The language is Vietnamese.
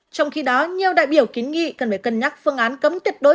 trong khi đó nhiều đại biểu kiến nghị cần phải cân nhắc phương án cấm tuyệt đối